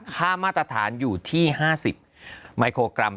ค่ามาตรฐานอยู่ที่๕๐มิโครกรัม